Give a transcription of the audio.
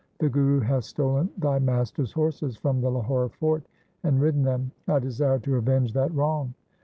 The Guru hath stolen thy master's horses from the Lahore fort and ridden them. I desire to avenge that wrong.'